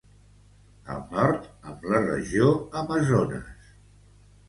Al nord, amb la Regió Amazones.